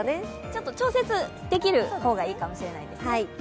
ちょっと調節できる方がいいかもしれないです。